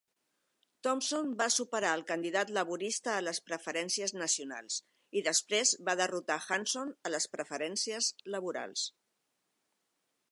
Thompson va superar al candidat laborista a les preferències nacionals, i després va derrotar Hanson a les preferències laborals.